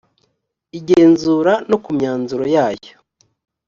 igenzura no ku myanzuro yayo